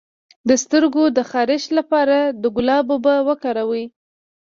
د سترګو د خارښ لپاره د ګلاب اوبه وکاروئ